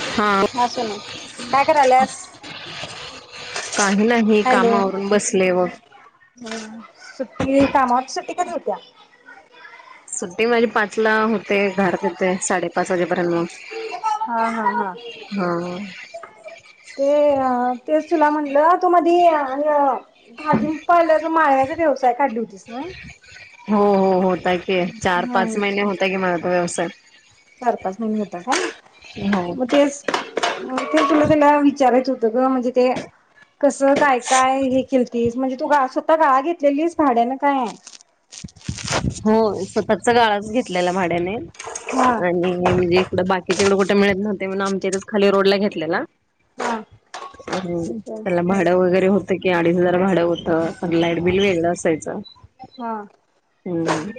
हा काय करायल्यास? काही नाही हॅलो काम आवरून बसले बघ ती कामावरती सुट्टी कधी होतेय? सुट्टी माझी पाचला होते घरात येते साडे पाचला हा हा हा हा ते अ तेच तुला म्हटलं तू मधी भाजी पाल्याच माळव्याचा व्यवसाय काढली होतीस नई? हो हो हो होता की चार पाच महिने होता की माझा तो व्यवसाय तर चार पाच महिने होता काय हो मग तेच मग तेच तुला त्याला विचारायचं होतं ग म्हणजे ते? कसं काय काय हे केलतीस? केलतीस म्हणजे तू स्वतः गाळ घेतलेलीस भाड्यान काय? हो स्वतःचा गाळाच घेतलेला भाड्याने? हा. आणि म्हणजे इकडं बाकी दुसरीकडे कुठे मिळत नव्हते म्हण आमच्या इथच खाली रोड ला घेतलेला हा. त्याला भाड वगैरे होत बग की अडीच हजार भाडं होतं पण लाईट बिल वेगळं असायचं हां. हंम.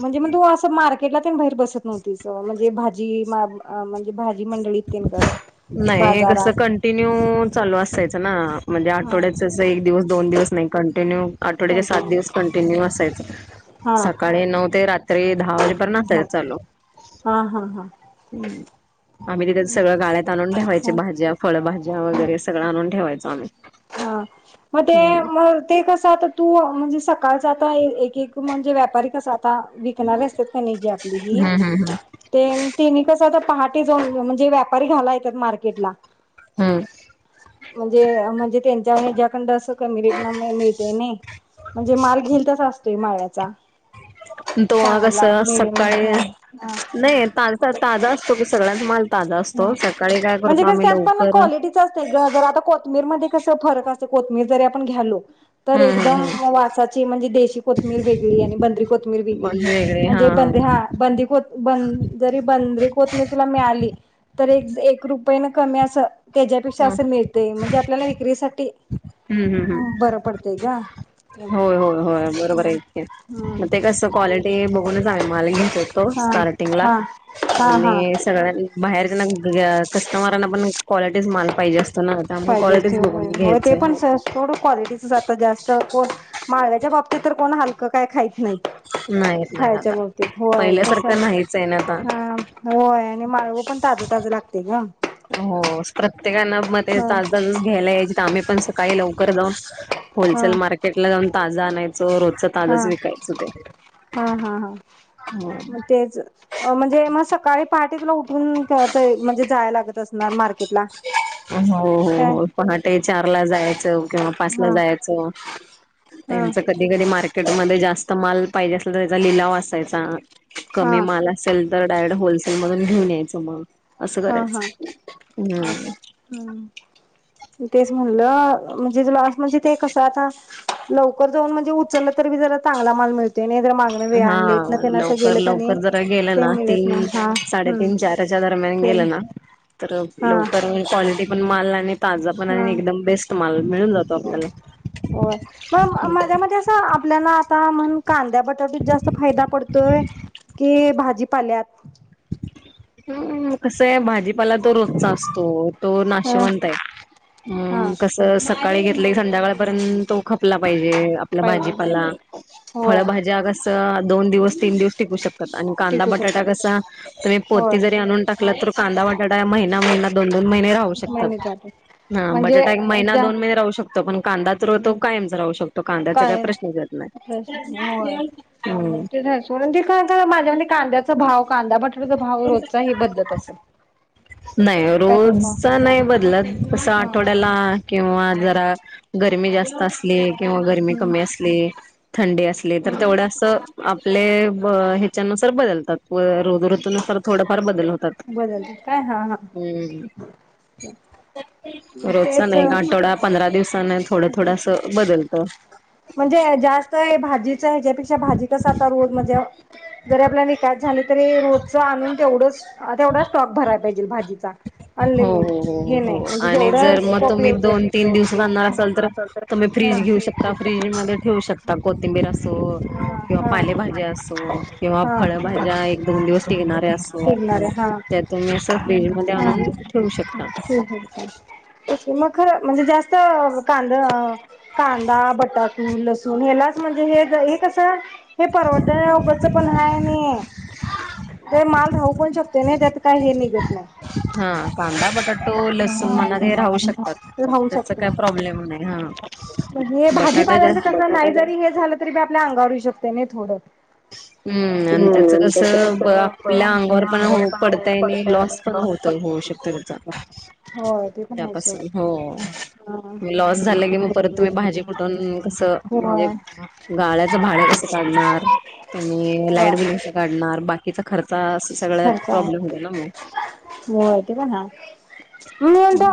म्हणजे मग तु अस मार्केटला ते [unintelligible] बाहेर बसत नव्हती म्हणजे भाजी म्हणजे भाजी मंड तेनगं नाही कस कंटिन्यू.. चालू असत. चयचं ना म्हणजे हा आठवड्याच जस एक दिवस दोन दिवस नही कंटिन्यू आठवड्याचे सात कंटिन्यू दिवस कंटिन्यू असायच. हा सकाळी नऊ ते रात्री दहा वाजेपर्यंन झालं असायचं चालू. हा हा हा हा आमी तिथच सगळ्या गाळ्यात ठवायचे भाज्या फळ भा हूं हां म ते हम्म मग ते कस आता तू म्हणून सकाळ ते आता एकेक म्हणजे व्यापारी कसा ता विकणारे असत्यात क नायी जी आपली जी हम्म हम्म तेनी कस आता पहात [unintelligible] तरी घालायेत्यात मार्केटला हम्म म्हणजे म्हणजे त्येन ज्याच तेज्याकंड अस कमी रेटन म मिळतोय नी म्हंजे माल घेऊ तसा असतो ते माळ्याचा तो कस चांगला मिडियम सकाळी हा हा नाई कालचा ताजा असतो ग सगळा मग. ह म्हणजे कस असत ना लवकर क्वालिटीच असते ग जर आता कोथमीर मध्ये कस फरक अस कोथमिर जरी आपण घ्यालो. तर हम्म एकदम हम्म वासाची म्हणजे देशी कोथमीर वेगळी आणि बंदरी कोथमीर हम्म वेगळी वेगळे हा म्हणजे बंद हा बंद ब जरी बंदरी कोथमीर तुला मिळाली. तर एक एक रुपये न कमी असं त्याच्यापेक्षा हम्म अस मिळतय म्हणजे आपल्याला विक्रीसाठी हम्म हम्म हम्म बरं पडतंय ग. ते होय होय होय बरोबर आहे की मग ते कस क्वालिटी बघूनच आम्ही माल घेत असतो हा स्टार्टिंगला हा हा हा हा आणि सगळ्यां बा बाहेरच्याना कस्टमरांना पण एक पाहिजे बघून असतंय ते घ्यायचंय पण थोड क्वालिटीचच आता जास्त पण माळव्याच्या बाबतीत तर कोण हलकं काय खाइत नाइत. नाहीत नाही खायच्या आता. बाबतीत होय कस पहिल्यासारखं नाहीच आहे ना आता. ह होय आणि माळवं पण ताज ताज लागतेय ग हो स्ट्रक प्रत्येकाना म ते हा तास ताजच घ्यायला याचे तर आम्ही पण स [unintelligible] हा होलसेल मार्केट ला जाऊन ताजा आणाय हा हा हा हा हो मग तेच म्हणजे म सग सकाळी पहाटेेत ना उठून पळतय म्हणजे जाय लागत असणार मार्केट हो हो हो पहाटे चारला जायचं. [unintelligible] किंवा पाचला हा जायच हा त्यांच कधी कधी मार्केटमध्ये जास्त तो माल पाहिजे असेल तर त्याचा लिलाव असायचा. कमी हा माल असेल तर डायरेक्ट होलसेल मधून घेऊन यायचं मग असं हा हा करायचं. हम्म [unintelligible] तेच म्हणलं तु लाज म्हणजे ते कसं आता लवकर जाऊन म्हणजे उचललं तरी जरा चांगला माल मिळतो. हा लवकर नाही लवकर जरा गेलं ते ना मिळत नाही तीन हा हम्म साडेतीन चारच्या दरम्यान ते गेलं ना तर हा लवकर ते पण माल ताजा पण हा आणि एकदम बेस्ट माल मिळून जातो आपल्याला. हो मग माझ्या मते आपल्याला आ का म्हणून कांद्यात बटाटुत जास्त फायदा पडतोय की भाजीपाल्यात हम्म कसं आहे भाजी भला तो रोज असतो तो हा नाशवंत आहे हा कसं [unintelligible] खपला पाहिजे आपल्या पाहिजे भाजीपाला होय फळभाज्या कस दोन दिवसीन दिवस टिकू शक आणि कांदा टिकू बटाटा शकतात कसा तुम्ही पो किती होय जरी आणून टाकलं तर कांदा बटाटा महिना दोन महिना राहू महिने शकतात जातात म्हणजे बटाटा एक दोन जास्त महिने राहू शकतात कांदाच तो कायम राहू शकतो कांद्याचा काय काही प्रश्नच येत होय नाही हम्म ते म्हणून ते काय माझ्या कांद्याचा भाव कांदयाचा बटाड्याचा भाव रोजचा बदलत असेल नाही काय तर सांग रोज नाही बदलत अस हा आठवड्याला किंवा जरा गर्मी जास्त असली किंवा गरमी हम्म कमी असली थंडी असली तर हम्म तेवढं अस आपले ह्याच्यानुसार बदलतात व रु ऋतूनुसार थोडं [inaudible] बदलते काय ह हा हम्म ह रोजचा नाही आठवडा पंधरा दिवस थोडं थोडं असं बदलतं म्हणजे जास्त भाजी रोजच्या ह्याच्यापेक्षा भाजीतच आता रोज म्हणजे जरी आपल्या [inaudible] झाले तरी रोजच आणून तेवढंच तेवढा स्टॉक भरायला पाहिजे भाजीचा हो हो अनलिमिटेड हे हो नाही हो म्हणजे [unintelligible] आणि जर मग तुम्ही दोन तीन दिवसात आणणार असाल [inaudible] मध्ये ठेवू शकता कोथिंबीर असो किंवा पालेभाज्या असो किंवा हा फळभाज्या एक दोन दिवस टिकणाऱ्या असो [unintelligible] कांद त्या तुम्ही असं फ्रीज मध्ये आणून ठेवू शकता अ कांदा बटा त लसूण हेलाच म्हणजे हे हे कसं हे परवड पण हाय आणि ते माल राहू पण शकते नाही त्यात काही हे निघत नाही हा कांदा [inaudible] बटाटो लसूण म्हणा हे राहू शकतात राहू त्याचा शकते काय प्रॉब्लेम नाही हा पण हे भाजी बटाटा जा पहिल्यांदा कसं नाही जरी हे झाल तरी अंगावर येऊ शकते नाही थोडं हम्म आणि त्याच कसं आपल्या अंगावर पण पडताय नाही लॉस पण होत होऊ शकत त्याचा होय ते पण आहे सोड. त्यापासून हो म लॉस झाला की मग परत तुम्ही हा. भाजी कुटून कसं म्हणजे होय गाळ्याचं भाडं कसं काढणार तुम्ही होय लाईट बिल कस काढणार बाकीचा खर्च? अस सगळ्यात खर्च आहे प्रॉब्लेम होतो ना मग? म्हणून तो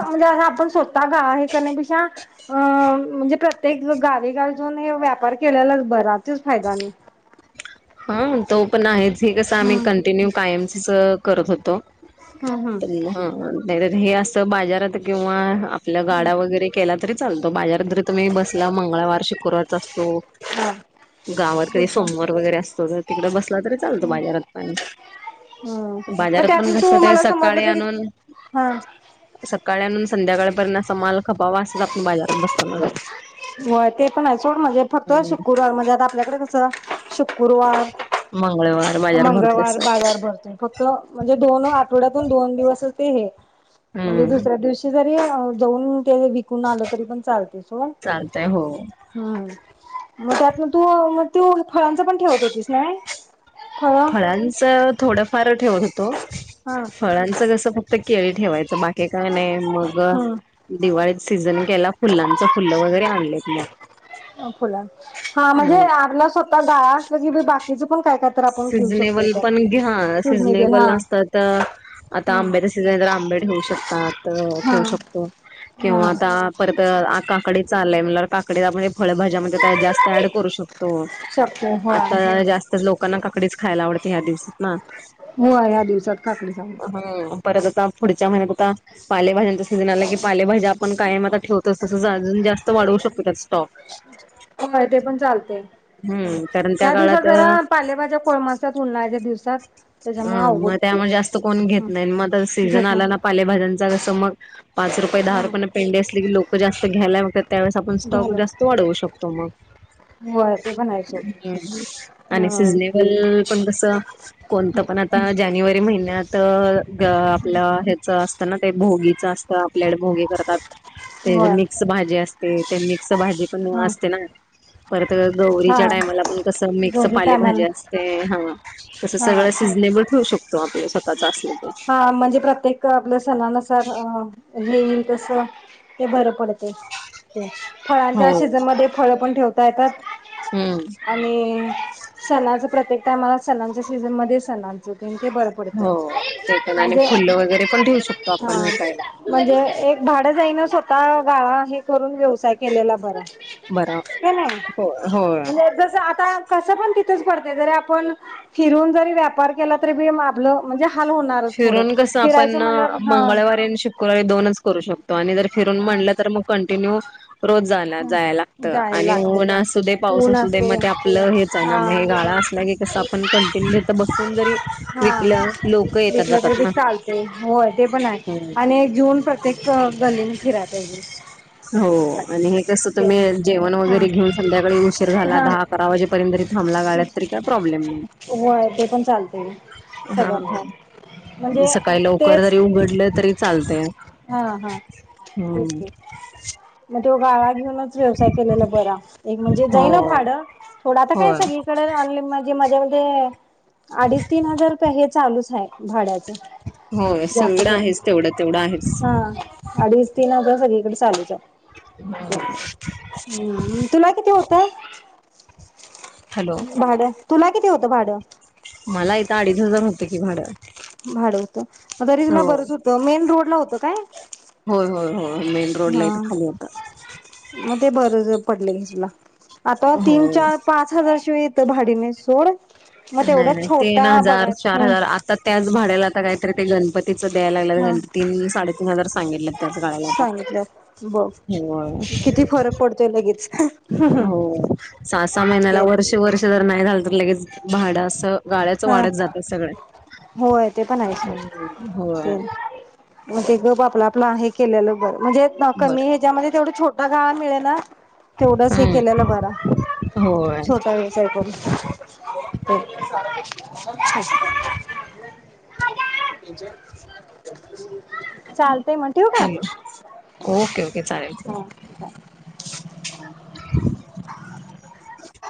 आपण सोता गाळा हे करण्यापेक्षा अ म्हणजे प्रत्येक गावी गावी जाऊन हे व्यापार केलेलाच बरा तेच फायदा आणि हा तो पण आहेच हे कस आम्ही हम्म कंटिन्यू कायमच करत होतो हम्म तो [inaudible] ह नाही हे अस बाजारात किंवा आपला हम्म गाड्या वगैरे केला तरी चालत तो बाजार जरी तुम्ही बसला मंगळवार शुक्रवारच असतो हा गावत कधी तेच की सोमवार वगैरे असत तो जर तिकडे बस बसला तरी चालतो बाजारातपण हम् मग त्यातन तू मला समजलं तर की हा सकाळ आणून संध्याकाळपर्यंत असा माल खपावा असत आपण बाजारात बसतो ना? होय ते पण आहे सोड म्हणजे फक्त हम्म शुक्रवार म्हणजे आता आपल्याकडे कसं शुक गुरुवार मंगळवार बाजार भरतो मंगळवार अस बाजार भरतोय फक्त म्हणजे दोन आठवड्यातून दोन दिवस ते हे म्हणजे हम्म दुसऱ्या दिवशी जरी जाऊन ते विकून आलं तरी पण चालते सो चालतय हो. मग त्यातन तू मग तू फळांच पण ठेवत होतीस नव्हे? फळांचं थोडं फारं ठेवत होतो हा फळांचं कसं फक्त फक्त केळी ठेवायचं बाकी काय नाही मग हम्म दिवाळी सीझन केला फुलांच फुलं वगैरे आणलेत मग फुला हा म्हणजे हम्म आपला स्वतः गडाळा असलं की बाकी तिच पण काय तर आपण ठेवू शकतोय सीझनेबल पण त्यात घ्या सिजनेबल हा सिझनेबल असत तर आता हा आंब्याच सीझन आहे तर आंबे ठेवू शकतात हा ठेवू शकतो हा किंवा आता परत आ काकडी च म्हटल्यावर काकडी आप फळ्याभज्यामध्ये जास्त ऍड करू शकतो शकतोय होय. आता जास्तच लोक लोकांना काकडीच खायला आवते ह्या दिवसात ना हो ह्या दिवसात काकडी चांगली ह परत आता पुढच्या महिन्यात आता पालेभाज्यांचा सीझन आला की पालेभाजी आपण कायम आता ठेवतो तस अजून जास्त वाढवू शकतो स्टॉक होय ते पण चालते. हम्म कारण त्या ह्या दिवसात काळात जरा पालेभाज्या कोळमासत्यात उन्हान ह्या ज्या दिवसात ह त्याच्यामुळे अवघड मग होतंय त्यामुळे ते. जास्त कोण हं घेत नाही मग आ सीझन घेत नाही. आला ना पालेभाज्यांचा कसं मग पाच रुपये दहा हं रुपयाेने पेंडे असले की लोक जास्त घ्यायलाय मग त्यावेळेस आपण स्टॉक घ्यायला जास्त वाढवू शकतो मग होय ते पण आहे सोड. [inaudible] आणि हं सिजनेबल [unintelligible] कोणत पण आता जानेवा महिन्यात ग आपल ह्याच ते न ते भोगी असत आपल्याड भोगे करतात त्याजी होय मिक्स भाजी अस ते मिक्स भाजी पण हं असते ना परत हा. गौरीच्या टायमाला पण कस मिक्स गौरी पालेभाजी टायमाला असते हा हा सगळ सिझनेबल ठेऊ शकतो आप स्वतःच असल की हा म्हणजे प्रत्येक आपल्या सणानुसार अ अ हे येईल तस ते बर पड [inaudible] हो फळांच्या सीझनमध्ये फळ पण ठेव काय काय? हम्म आणि सणाच प्रत्येक टायमाला सणांच्या सीझनमध्ये सणांच ते बर पडतय. हो ते पण आणि म्हण फुलं वगैरे पण ठेवू शकतो हा आपण विकायला म्हणजे एक भाड [unintelligible] स्वतः गाळा हे करून व्यवसाय केलेला बरा बरं नाय नाय हो हो म्हणजे जस आता कस पण त [unintelligible] आपण फिरून जरी व्यापार केला तरी बी आपल म्हणजे हाल होत फिरून कस आपण मंगळवारी आणि शुक्रवारी दोनच करू शकतो तो आणि जर फिरून हा म्हणल तर मग कंटिन्यू रोज जाना जायला लागत जायला आणि लागतय ऊन असुदे पाऊस ऊन असुदे, मग असतय ते आपल हेच आहे ना मग हे हा गाळा असला की कस आपण कंटिन्यू हित बस हून जरी विकल्यात लोक येत कुट तरी ते चालतय होय ते पण हाय हम्म आणि घेऊन प्रतेक गल्लीत आणि फिराय पाहिजे. हो, असं आहे आणि हे कसं ते तुम्ही जेवण हा वगैरे घीऊन संध्याकाळी उशीर झाला हा दहा, अकरा वाजेपर्यंत तरी थांबला गाड्यात काय प्रॉब्लेम नाही होय ते पण चालतय हा सगळ्यात भारी म्हणजे सकाळी लवकर तेच जरी उघडल तरी चालतेअ हा हा तेच की हि मग त्यो गाळ्यात हणूनच व्यवसाय केलेला बरा एक म्हणजे हो. जाईना भाडं थोडं आता काय होय सगळीकडे राहिली माझे मजा त अडीच तीन हजार रुपये हे चालूच हाय भाड्यात हो न सगळीकडं आहेच तेवढं तेवढं आहे. हा, अडीच तीन हजार सगळीकडे चालूच आहे. हम्म, तुला किती होतंय? हॅलो भाडं तुला किती होतं भाडं? न हजार होतं की भाडं. भाडं मग तरी तुला हो बरच होतं, मेन रोडला होत काय? होय होय होय मेन रोड ला हा, इथ खाली होता. मग ते बर ज पडलय की तुला आता तीन हो. चार पाच हजार शिवाय इ तर‌ भाडी नाहीत सोड. मग नाही तेवढ्यात नाही तीन छोटा हजार चार बघायचा हजार त्याच भाड्याला आता काहीतरी ते गणपत तीचं द्याय हा लागलेत तीन साडे सांगितलं बघ होय किती फरक पडतोय लगेच हे हो सहा-सहा महिन्याला, वर्षे-वर्ष जर नाही झालं तर लगेच भाडं असं गाळ्याचं हा वाढत जातंय सगळं होय ते पण आहे सोड. हम होय. नाही केलेलं बरं. म्हणजे कमी बरं ह्याच्यामध्ये तेवढं छोट बघा मिळे ना तेवढंच हे हम्म केलेलं बारा. होय छोटा व्यवसाय करून. ते [inaudible] चालतंय मग ठिऊ काय? हॅलो ओके ओके चालेल